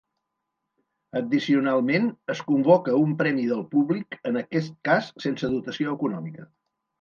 Addicionalment, es convoca un premi del públic, en aquest cas sense dotació econòmica.